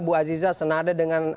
bu aziza senada dengan